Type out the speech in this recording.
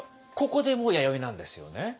ここでもう「弥生」なんですよね。